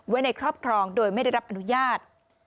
ในครอบครองโดยไม่ได้รับอนุญาต